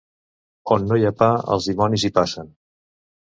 On no hi ha pa, els dimonis hi passen.